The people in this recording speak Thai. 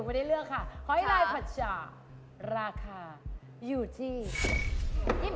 พี่เป๊ะจะเจออันที่หลิว